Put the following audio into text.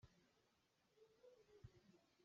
Ram lum ah sangphaw hi a ṭha duh ngai.